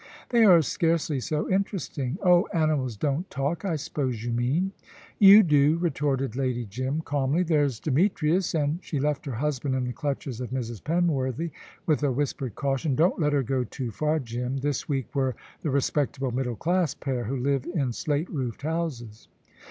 "They are scarcely so interesting." "Oh! Animals don't talk, I 'spose you mean." "You do," retorted Lady Jim, calmly. "There's Demetrius!" and she left her husband in the clutches of Mrs. Penworthy, with a whispered caution. "Don't let her go too far, Jim. This week we're the respectable middle class pair, who live in slate roofed houses."